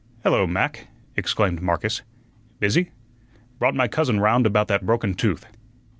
"Hello, Mac," exclaimed Marcus; "busy? Brought my cousin round about that broken tooth."